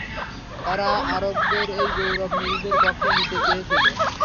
তারা আরবদের এই গৌরব নিজেদের পক্ষে নিতে চেয়েছিল।